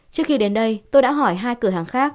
trước khi đến đây tôi đã hỏi hai cửa hàng khác